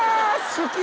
好き！